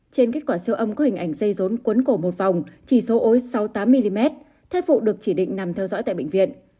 trên kết quả siêu âm có hình ảnh dây rốn cuốn cổ một vòng chỉ số ối sáu mươi tám mm phụ được chỉ định nằm theo dõi tại bệnh viện